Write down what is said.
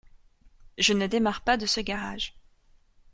Je ne démarre pas de ce garage.